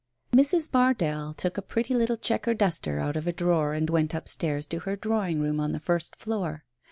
Mrs. Mardell took a pretty little checked duster out of a drawer, and went upstairs to her drawing room on the first floor.